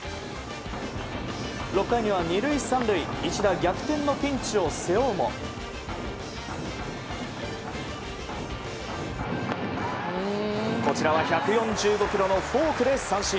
６回には２塁３塁一打逆転のピンチを背負うもこちらは１４５キロのフォークで三振。